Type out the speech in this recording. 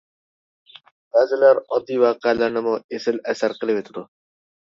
بەزىلەر ئاددىي ۋەقەلەرنىمۇ ئېسىل ئەسەر قىلىۋېتىدۇ.